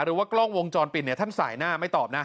หรือว่ากล้องวงจรปิดเนี่ยท่านสายหน้าไม่ตอบนะ